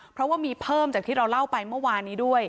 เพราะว่ามีเพิ่มจากที่เราเล่าไปเมื่อวานนี้ด้วย